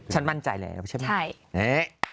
มั่นใจแล้วใช่ไหม